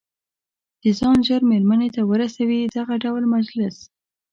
چې ځان ژر مېرمنې ته ورسوي، دغه ډول مجلس.